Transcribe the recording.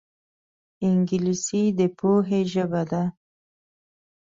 انګلیسي د پوهې ژبه ده